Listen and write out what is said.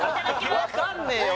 分かんねえよ